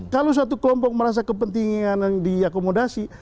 kalau satu kelompok merasa kepentingan di akomodasi